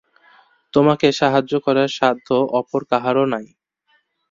তোমাকে সাহায্য করার সাধ্য অপর কাহারও নাই।